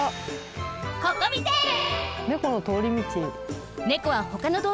ココミテール！